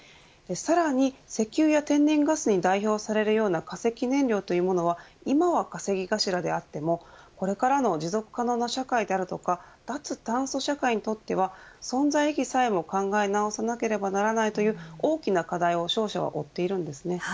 さらに石油や天然ガスに代表されるような化石燃料というものは今は稼ぎ頭であってもこれからの持続可能な社会であるとか脱炭素社会にとっては存在意義さえも考え直さなければならないという大きな課題を商社は負っています。